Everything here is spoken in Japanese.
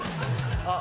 あっ。